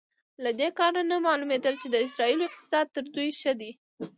له دې کار نه معلومېدل چې د اسرائیلو اقتصاد تر دوی ښه دی.